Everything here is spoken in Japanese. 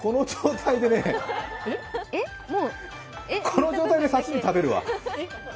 この状態で刺身食べるわ。